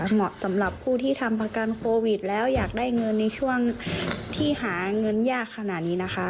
เหมาะสำหรับผู้ที่ทำประกันโควิดแล้วอยากได้เงินในช่วงที่หาเงินยากขนาดนี้นะคะ